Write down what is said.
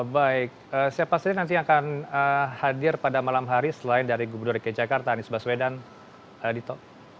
baik siapa saja nanti akan hadir pada malam hari selain dari gubernur dki jakarta anies baswedan dito